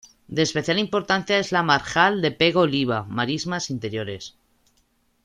De especial importancia es la marjal de Pego-Oliva, marismas interiores.